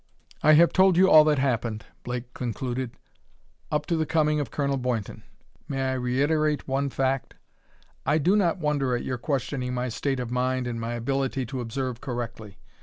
"I have told you all that happened," Blake concluded, "up to the coming of Colonel Boynton. May I reiterate one fact? I do not wonder at your questioning my state of mind and my ability to observe correctly.